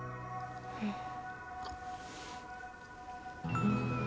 うん。